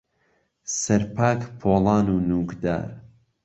سەر پاک پۆڵان و نووکدار